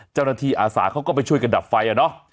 เจ้าหน้าที่อาสาเขาก็ไปช่วยกันดับไฟนะ